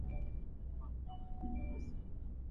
ولي په کابل کي د صنعت لپاره ټیم کار مهم دی؟